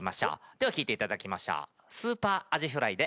では聴いていただきましょう。